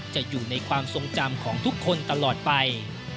จะอยู่ในความทรงจำของทุกคนตลอดไป